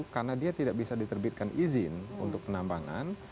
karena dia tidak bisa diterbitkan izin untuk penambangan